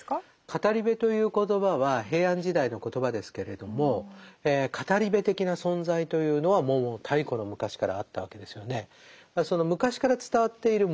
語部という言葉は平安時代の言葉ですけれども語部的な存在というのはもう太古の昔からあったわけですよね。